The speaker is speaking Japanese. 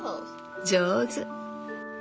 上手！